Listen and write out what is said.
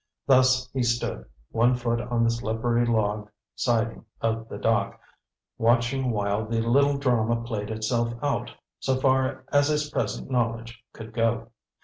Thus he stood, one foot on the slippery log siding of the dock, watching while the little drama played itself out, so far as his present knowledge could go.